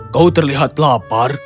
kau terlihat lapar